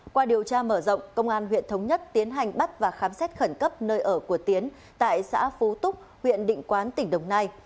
qua điều tra mở rộng công an huyện thống nhất tiến hành bắt và khám xét khẩn cấp nơi ở của tiến tại xã phú túc huyện định quán tỉnh đồng nai